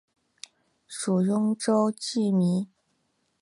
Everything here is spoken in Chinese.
属邕州羁縻。